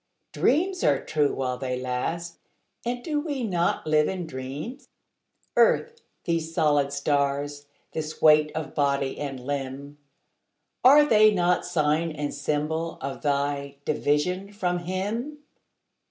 Dreams are true while they last, and do we not live in dreams? Earth, these solid stars, this weight of body and limb, Are they not sign and symbol of thy division from Him?